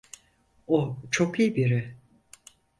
O çok iyi biri.